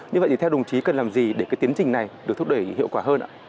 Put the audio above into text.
như vậy thì theo đồng chí cần làm gì để cái tiến trình này được thúc đẩy hiệu quả hơn ạ